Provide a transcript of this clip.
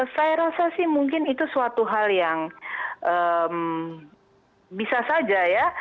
saya rasa sih mungkin itu suatu hal yang bisa saja ya